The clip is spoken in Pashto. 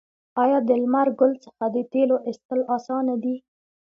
آیا د لمر ګل څخه د تیلو ایستل اسانه دي؟